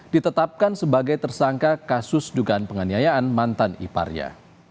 ditetapkan sebagai tersangka kasus dugaan penganiayaan mantan iparya